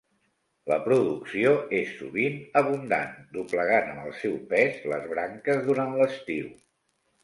La producció és sovint abundant, doblegant amb el seu pes les branques durant l'estiu.